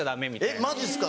えっマジっすか